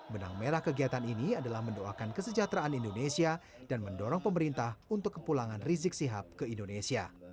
benang merah kegiatan ini adalah mendoakan kesejahteraan indonesia dan mendorong pemerintah untuk kepulangan rizik sihab ke indonesia